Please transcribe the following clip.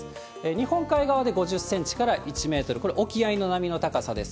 日本海側で５０センチから１メートル、これ、沖合の波の高さです。